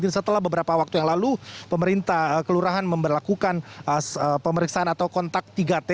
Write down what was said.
setelah beberapa waktu yang lalu pemerintah kelurahan memperlakukan pemeriksaan atau kontak tiga t